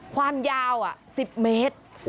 ความยาว๑๐เมตร